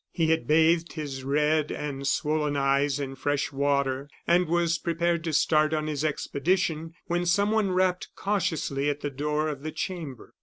He had bathed his red and swollen eyes in fresh water, and was prepared to start on his expedition, when someone rapped cautiously at the door of the chamber.